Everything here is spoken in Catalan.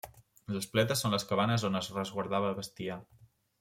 Les pletes són les cabanes on es resguardava el bestiar.